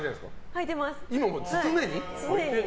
はいてます、常に。